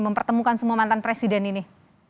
mempertemukan semua mantan presiden ini